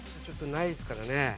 ちょっとないですからね。